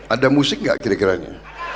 ada musik nggak kira kiranya